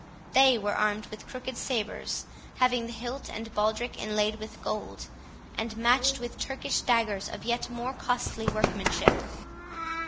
They were armed with crooked sabres, having the hilt and baldric inlaid with gold, and matched with Turkish daggers of yet more costly workmanship.